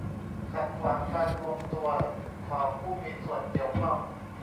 ขัดขวางการรวมตัวของผู้มีส่วนเกี่ยวข้อง